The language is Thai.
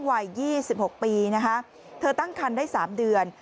วัย๒๖ปีนะคะเธอตั้งคันได้๓เดือน